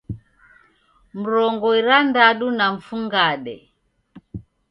Mrongo irandadu na mfungade